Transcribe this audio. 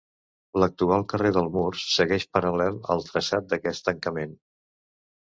L'actual carrer del Mur segueix paral·lel el traçat d'aquest tancament.